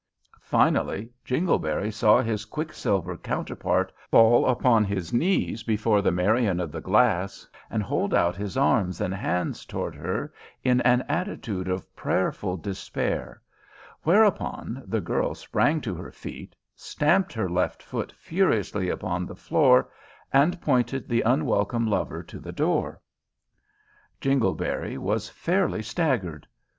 Finally, Jingleberry saw his quicksilver counterpart fall upon his knees before Marian of the glass, and hold out his arms and hands towards her in an attitude of prayerful despair, whereupon the girl sprang to her feet, stamped her left foot furiously upon the floor, and pointed the unwelcome lover to the door. Jingleberry was fairly staggered.